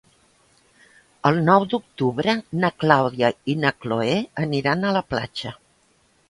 El nou d'octubre na Clàudia i na Cloè aniran a la platja.